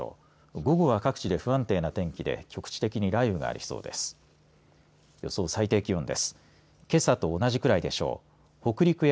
午後は各地で不安定な天気で局地的に雷雨がありそうです。